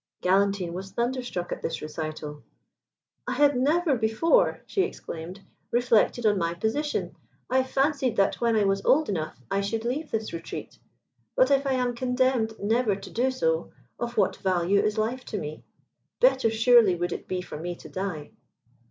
Galantine was thunderstruck at this recital. "I had never before," she exclaimed, "reflected on my position. I fancied that when I was old enough I should leave this retreat: but if I am condemned never to do so, of what value is life to me? Better surely would it be for me to die."